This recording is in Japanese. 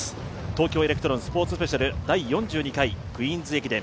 東京エレクトロンスポーツスペシャル第４２回クイーンズ駅伝。